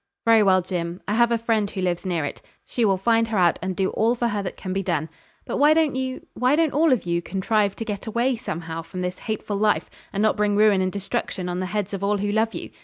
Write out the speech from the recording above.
'Very well, Jim, I have a friend who lives near it. She will find her out, and do all for her that can be done. But why don't you why don't all of you contrive to get away somehow from this hateful life, and not bring ruin and destruction on the heads of all who love you?